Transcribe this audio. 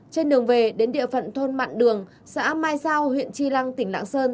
trên đường về đến địa phận thôn mạn đường xã mai sao huyện tri lăng tỉnh lạng sơn